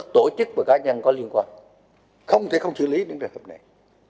tổ chức và cá nhân có liên quan không thể không xử lý những trường hợp này